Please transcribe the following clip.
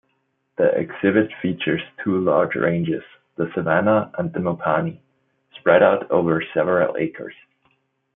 The exhibit features two large ranges-the Savanna and the Mopani-spread out over several acres.